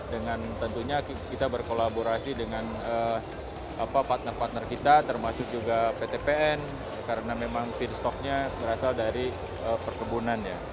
dengan tentunya kita berkolaborasi dengan partner partner kita termasuk juga pt pn karena memang feed stoknya berasal dari perkebunan ya